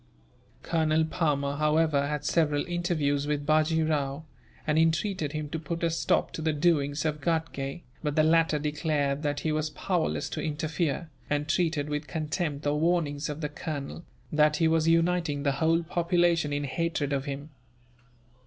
Colonel Palmer, however, had several interviews with Bajee Rao, and entreated him to put a stop to the doings of Ghatgay; but the latter declared that he was powerless to interfere, and treated with contempt the warnings, of the colonel, that he was uniting the whole population in hatred of him.